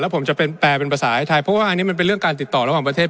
ผมจะเป็นแปลเป็นภาษาให้ไทยเพราะว่าอันนี้มันเป็นเรื่องการติดต่อระหว่างประเทศ